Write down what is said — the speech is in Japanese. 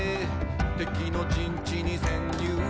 「敵の陣地に潜入」